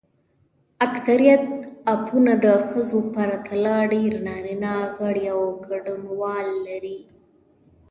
اکثریت اپونه د ښځو پرتله ډېر نارینه غړي او ګډونوال لري.